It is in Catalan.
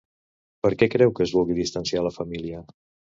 Per què creu que es vulgui distanciar la família?